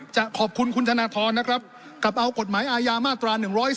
จะขอบคุณคุณธนทรนะครับกับเอากฎหมายอาญามาตรา๑๕